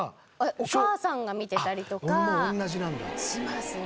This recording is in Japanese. お母さんが見てたりとかしますね。